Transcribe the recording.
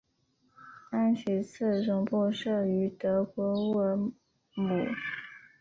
安许茨总部设于德国乌尔姆。